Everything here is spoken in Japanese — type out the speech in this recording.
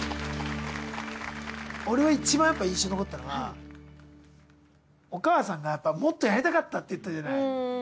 俺はいちばんやっぱ印象残ったのはお母さんがもっとやりたかったって言ったじゃない。